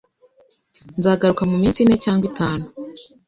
Nzagaruka muminsi ine cyangwa itanu.